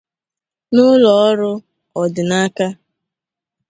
n’ụlọọrụ ọ dị n’aka